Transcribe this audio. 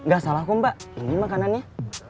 gak salah kok mbak ini makanannya